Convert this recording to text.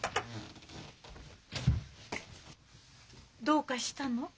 どうかしたの？